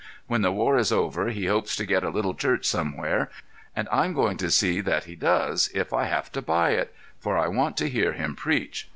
When the war is over he hopes to get a little church somewhere, and I'm going to see that he does, if I have to buy it, for I want to hear him preach.